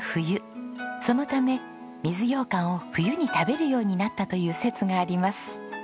そのため水ようかんを冬に食べるようになったという説があります。